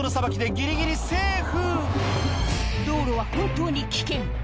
ギリギリセーフ